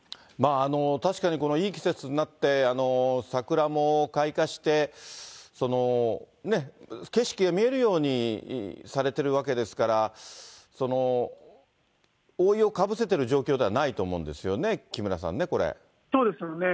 確かにいい季節になって、桜も開花して、景色が見えるようにされてるわけですから、覆いをかぶせてる状況ではないと思うんですよね、木村さんね、こそうですよね。